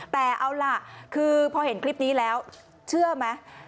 แต่ป่อเห็นคลิปนี้แล้วเชื่อไหม